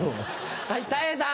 はいたい平さん。